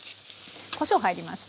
こしょう入りました。